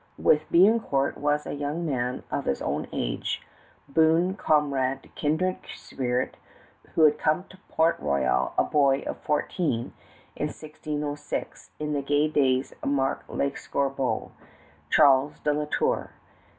With Biencourt was a young man of his own age, boon comrade, kindred spirit, who had come to Port Royal a boy of fourteen, in 1606, in the gay days of Marc L'Escarbot Charles de La Tour.